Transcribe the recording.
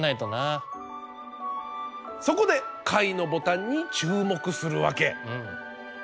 そこで「貝のボタン」に注目するわけ。